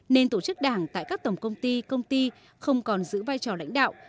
nên tổ chức đảng tại các tổng công ty công ty không còn giữ vai trò lãnh đạo